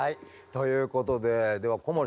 ということででは小森さん